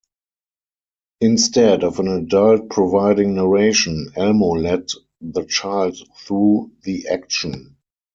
Instead of an adult providing narration, Elmo led the child through the action.